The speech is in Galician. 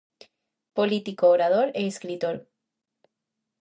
Político, orador e escritor.